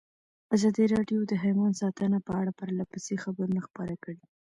ازادي راډیو د حیوان ساتنه په اړه پرله پسې خبرونه خپاره کړي.